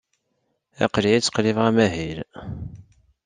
Aql-iyi ttqellibeɣ amahil.